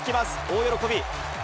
大喜び。